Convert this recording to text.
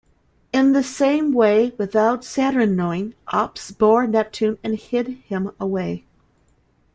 In the same way without Saturn knowing, Ops bore Neptune and hid him away.